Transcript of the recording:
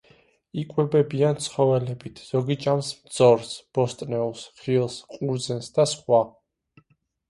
იკვებებიან ცხოველებით, ზოგი ჭამს მძორს, ბოსტნეულს, ხილს, ყურძენს და სხვა.